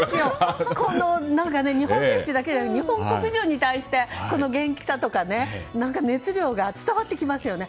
日本選手だけじゃなく日本国中に対して元気さとか熱量が伝わってきますよね。